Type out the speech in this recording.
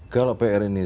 kalau pr ini